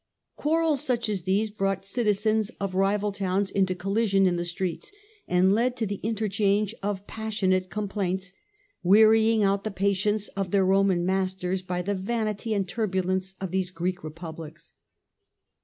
Quarrels such as these brought citizens of rival towns into collision in the streets, and led to interchange of pas sionate complaints, wearying out the patience of their Roman masters by the vanity and turbulence of these Greek republics.